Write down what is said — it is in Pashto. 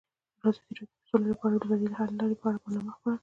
ازادي راډیو د سوله لپاره د بدیل حل لارې په اړه برنامه خپاره کړې.